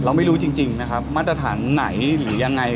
ไม่รู้จริงนะครับมาตรฐานไหนหรือยังไง